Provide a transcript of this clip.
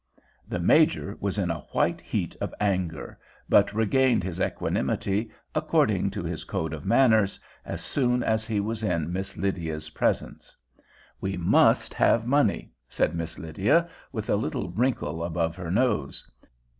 The Major was in a white heat of anger, but regained his equanimity, according to his code of manners, as soon as he was in Miss Lydia's presence. "We must have money," said Miss Lydia, with a little wrinkle above her nose.